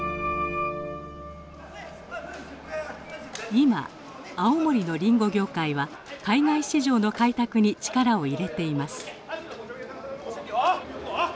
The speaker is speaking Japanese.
今青森のリンゴ業界は海外市場の開拓に力を入れています。